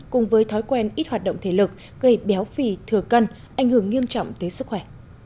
cùng với thói quen ít hoạt động thể lực gây béo phì thừa cân ảnh hưởng nghiêm trọng tới sức khỏe